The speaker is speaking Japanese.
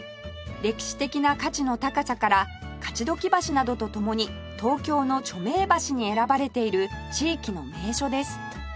歴史的な価値の高さから勝鬨橋などと共に東京の著名橋に選ばれている地域の名所です